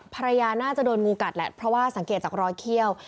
ภรรยาน่าจะโดนงูกัดแหละเพราะว่าสังเกตจากรอยเขี้ยว